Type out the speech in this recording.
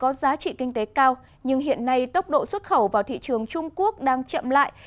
có giá trị kinh tế cao nhưng hiện nay tốc độ xuất khẩu vào thị trường trung quốc đang chậm lại